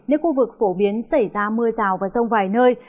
nếu khu vực phổ biến xảy ra mưa rào và rông vài nơi